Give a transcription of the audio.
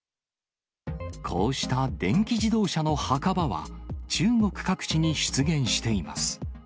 こうした電気自動車の墓場は、中国各地に出現しています。